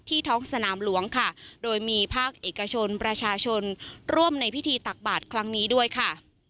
ท้องสนามหลวงค่ะโดยมีภาคเอกชนประชาชนร่วมในพิธีตักบาทครั้งนี้ด้วยค่ะ